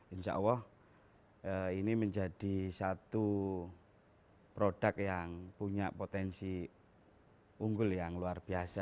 insya allah ini menjadi satu produk yang punya potensi unggul yang luar biasa